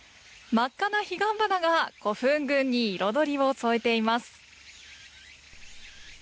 真っ赤な彼岸花が古墳群に彩りを添えています。